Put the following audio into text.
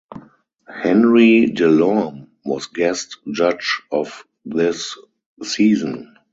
Henri Delorme was guest judge of this season.